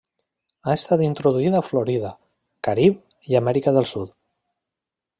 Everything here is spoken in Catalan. Ha estat introduït a Florida, Carib i Amèrica del Sud.